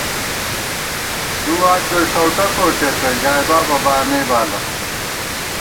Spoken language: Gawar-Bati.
دو واٹ گوئی ݭؤٹہ کوٹېتہ، ژائےبابہ بانئ بالہ